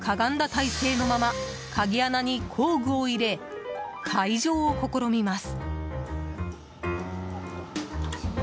体勢のまま鍵穴に工具を入れ解錠を試みます。